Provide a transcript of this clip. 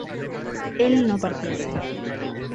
él no partiese